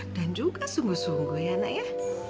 dan juga sungguh sungguh ya nak ya